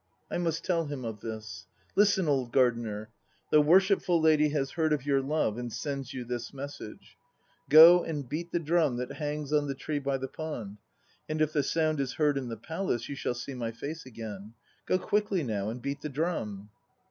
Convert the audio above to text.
I must tell him of this. Listen, old Gardener! The worshipful lady has heard of your love and sends you this message: "Go and beat the drum that hangs on the tree by the pond, and if the sound is heard in the Palace, you shall see my face again." Go quickly now and beat the drum!